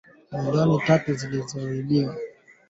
Milioni tatu zilizotengwa kwa ajili ya